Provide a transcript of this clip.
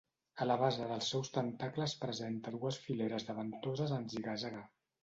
A la base dels seus tentacles presenta dues fileres de ventoses en ziga-zaga.